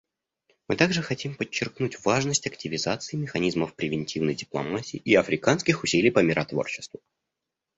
Мы также хотим подчеркнуть важность активизации механизмов превентивной дипломатии и африканских усилий по миротворчеству.